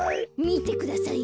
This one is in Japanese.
みてください。